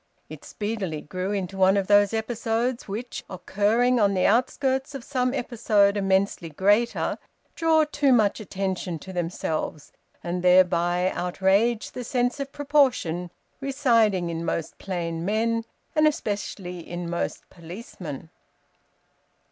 It speedily grew into one of those episodes which, occurring on the outskirts of some episode immensely greater, draw too much attention to themselves and thereby outrage the sense of proportion residing in most plain men, and especially in most policemen.